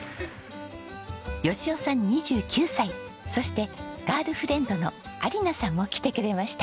良雄さん２９歳そしてガールフレンドの亜梨菜さんも来てくれました。